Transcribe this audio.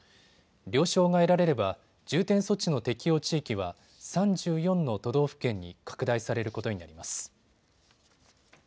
了承が得られれば、重点措置の適用地域は３４の都道府県に拡大されることになります。